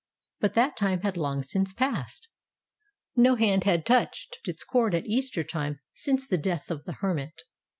But that time had long since passed. No hand had touched its cord at Easter time since the death of the hermit.